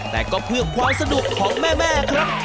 แต่ก็เพื่อความสนุกของแม่ครับ